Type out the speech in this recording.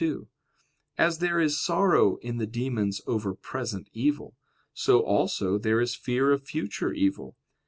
2: As there is sorrow in the demons over present evil, so also there is fear of future evil.